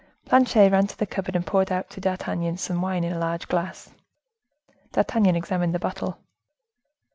Planchet ran to the cupboard, and poured out to D'Artagnan some wine in a large glass. D'Artagnan examined the bottle.